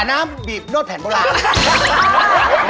อันนั้นบีบโน้ตแผ่นโบราณ